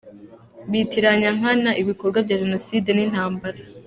Bitiranya nkana ibikorwa bya Jenoside n’intambara.